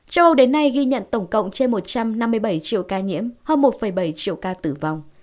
châu âu đến nay ghi nhận tổng cộng trên một trăm năm mươi bảy triệu ca nhiễm hơn một bảy triệu ca tử vong